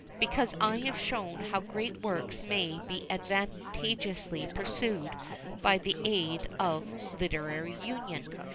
because I have shown how great works may be advantageously pursued by the aid of "Literary Union."